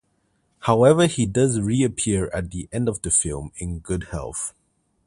However, he does reappear at the end of the film in good health.